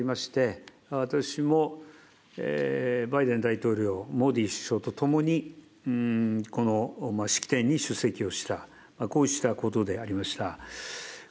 そして昨日の議論の立ち上げにあたりまして、私もバイデン大統領、モディ首相とともに、この式典に出席をした、こうしたことでありました。